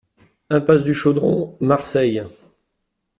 Impasse du Chaudron, Marseille